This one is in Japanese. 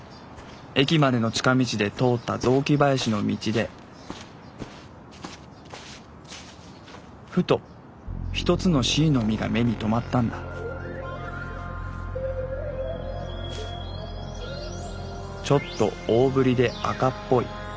駅までの近道で通った雑木林の道でふと一つの椎の実が目に留まったんだちょっと大ぶりで赤っぽい。